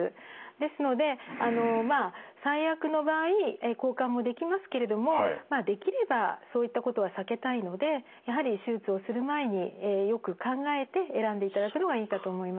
ですのでまあ最悪の場合交換もできますけれどもまあできればそういったことは避けたいのでやはり手術をする前によく考えて選んでいただくのがいいかと思います。